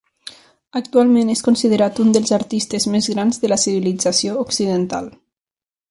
Actualment és considerat un dels artistes més grans de la civilització occidental.